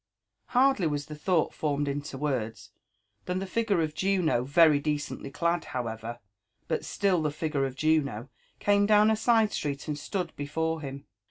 '' Hardly was the thoaght formed into words, than the figure of Juno, very decently clad, however, but still the figure of J un6». came down a side street and stood before him.